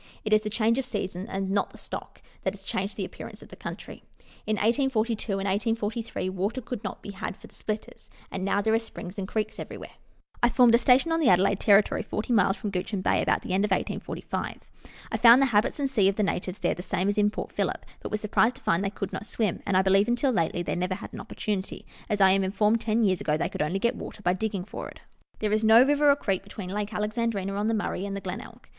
It is the change of seasons, and not the stock, that has changed the appearance of the country. In 1842 and 1843 water could not be had for the splitters, and now there are springs and creeks everywhere. I formed a station on the Adelaide territory, 40 miles from Guichen Bay, about the end of 1845. I found the habits, &c., of the natives there the same as in Port Phillip, but was surprised to find they could not swim ; and I believe, until lately, they never had an opportunity, as I am informed ten years ago they could only get water by digging for it. There is no river or creek between Lake Alexandrina on the Murray and the Glenelg.